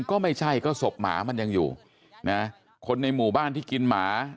ก็ไม่ใช่ก็ศพหมามันยังอยู่นะคนในหมู่บ้านที่กินหมา